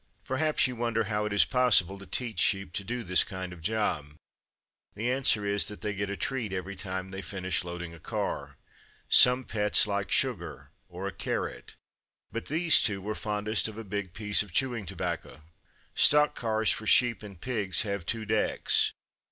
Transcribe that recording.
Perhaps you wonder how it is possible to teach sheep to do this kind of job. The answer is that they get a treat every time they finish loading a car. Some pets like sugar or a carrot, but these two were fondest of a big piece of chewing tobacco. Stock cars for sheep and pigs have two decks.